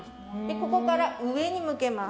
ここから上に向けます。